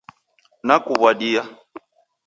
Nakuwadia